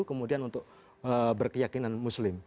kemudian untuk berkeyakinan muslim